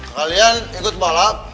kalian ikut balap